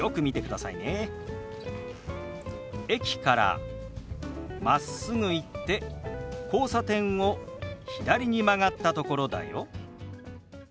「駅からまっすぐ行って交差点を左に曲がったところだよ」。